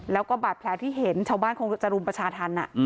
แล้วก็บาดแผลที่เห็นชาวบ้านคงจะรุมประชาธรรม